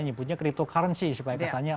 menyebutnya cryptocurrency sebagai kasarnya